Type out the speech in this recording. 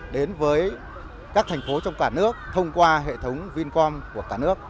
đến với các thành phố trong cả nước thông qua hệ thống vincom của cả nước